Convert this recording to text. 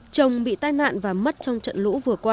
chồng bị tai nạn và mất trong trận lũ vừa qua